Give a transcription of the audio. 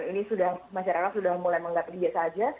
ini sudah masyarakat sudah mulai menganggap biasa saja